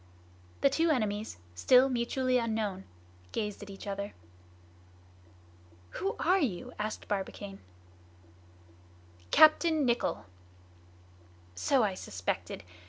The two enemies, still mutually unknown, gazed at each other. "Who are you?" asked Barbicane. "Captain Nicholl!" "So I suspected.